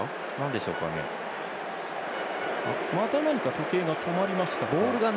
また時計が止まりました。